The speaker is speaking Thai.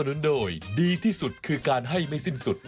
นุนโดยดีที่สุดคือการให้ไม่สิ้นสุด